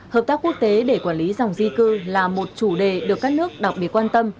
hợp tác quốc tế để quản lý dòng di cư là một chủ đề được các nước đặc biệt quan tâm